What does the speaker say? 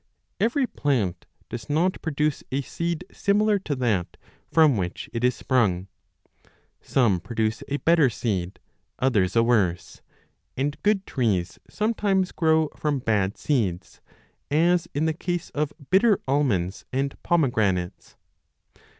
Every plant does not produce a seed similar to that from which it is sprung ; some produce a better seed, others a worse, and good trees sometimes grow from bad seeds, as in the 5 case of bitter almonds and pomegranates.